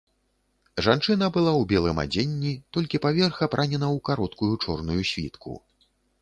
Жанчына была ў белым адзенні, толькі паверх апранена ў кароткую чорную світку.